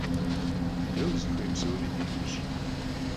De vuzıxuêy psori di'eş.